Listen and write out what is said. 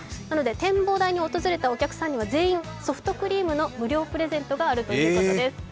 なので展望台に訪れたお客さんには全員、ソフトクリームの無料プレゼントがあるということです。